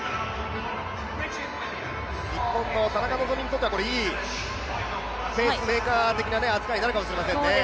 日本の田中希実にとってはいいペースメーカー的な扱いになるかもしれませんね。